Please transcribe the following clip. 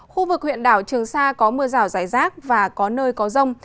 khu vực huyện đảo trường sa có mưa rào rải rác và có nơi có rông